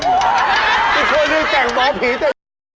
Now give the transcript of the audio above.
อีกคนเลยแต่งหมอผีแต่